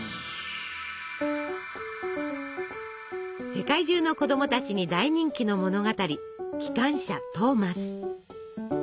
世界中の子供たちに大人気の物語「きかんしゃトーマス」。